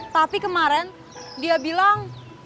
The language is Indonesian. tapi kemarin dia bilang